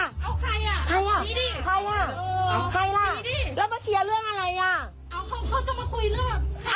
เขาจะมาคุยเรื่องข้าวเมียน้อย